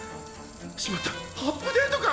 しまったアップデートか！